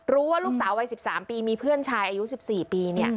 รู้ว่าลูกสาววัย๑๓ปีมีเพื่อนชายอายุ๑๔ปี